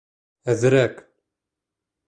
— Әҙерәк.